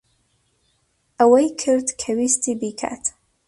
ئەوەی کرد کە ویستی بیکات.